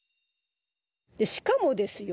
しかもですよ